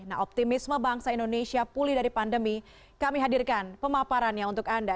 nah optimisme bangsa indonesia pulih dari pandemi kami hadirkan pemaparannya untuk anda